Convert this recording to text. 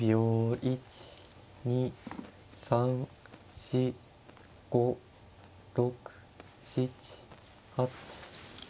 １２３４５６７８。